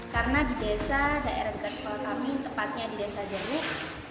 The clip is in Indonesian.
karena di desa daerah dekat sekolah kami tepatnya di desa jawa